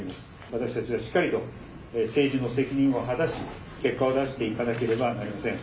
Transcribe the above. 私たちはしっかりと政治の責任を果たし、結果を出していかなければなりません。